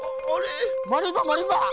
マリンバマリンバ。